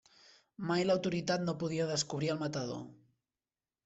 Mai l'autoritat no podia descobrir el matador.